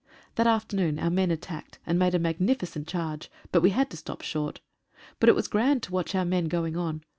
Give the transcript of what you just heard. That afternoon our men attacked, and made a magnificent charge ; but we had to stop short. But it was grand to watch our men going on.